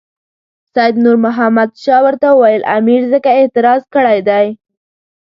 سید نور محمد شاه ورته وویل امیر ځکه اعتراض کړی دی.